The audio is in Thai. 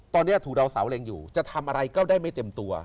ตอนนี้ถูกดาวเสาเล็งอยู่จะทำอะไรก็ได้ไม่เต็มตัว